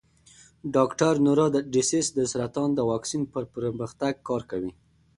ډاکټر نورا ډسیس د سرطان د واکسین پر پرمختګ کار کوي.